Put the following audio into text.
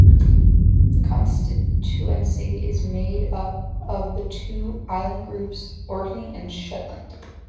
The constituency is made up of the two island groups, Orkney and Shetland.